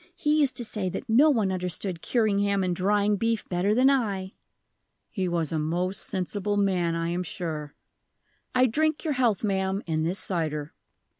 He used to say that no one understood curing ham and drying beef better than I." "He was a most sensible man, I am sure. I drink your health, ma'am, in this cider."